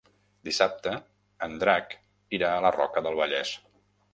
Dissabte en Drac irà a la Roca del Vallès.